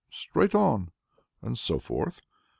Straight on!" and so forth.